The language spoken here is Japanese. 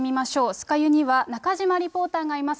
酸ヶ湯には中島リポーターがいます。